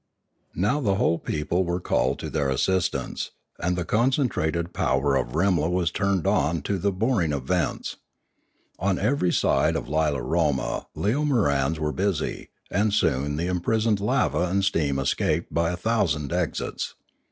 Now the whole people were called to their assistance, and the concentrated power of Rimla was turned on to 636 Limanora the boring of vents. On every side of Lilaroma leo morans were busy, and soon the imprisoned lava and steam escaped by a thousand exits.